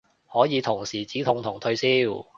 可以同時止痛同退燒